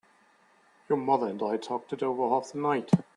Your mother and I talked it over half the night.